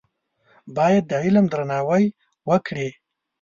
باید د علم درناوی وکړې.